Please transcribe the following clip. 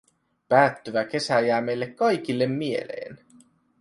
Päättyvä kesä jää meille kaikille mieleen.